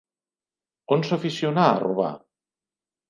On s'aficionà a robar?